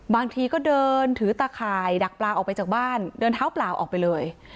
บางทีก็เดินถือตาข่ายดักปลาออกไปจากบ้านเดินเท้าเปล่าออกไปเลย